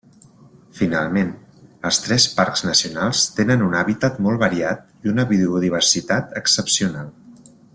Finalment, els tres parcs nacionals tenen un hàbitat molt variat i una biodiversitat excepcional.